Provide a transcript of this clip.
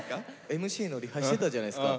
ＭＣのリハしてたじゃないですか。